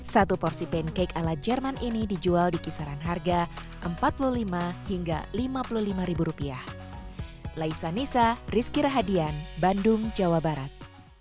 satu porsi pancake ala jerman ini dijual di kisaran harga rp empat puluh lima hingga lima puluh lima ribu rupiah